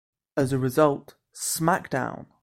As a result, SmackDown!